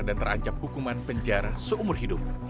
dan terancam hukuman penjara seumur hidup